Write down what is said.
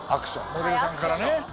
モデルさんからね。